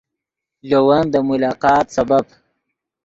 لے ون دے ملاقات سبب